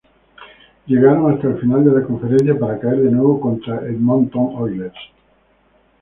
Llegaron hasta la final de la conferencia para caer de nuevo contra Edmonton Oilers.